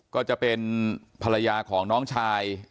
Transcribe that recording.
ก็จะเป็นภรรยาของน้องชาย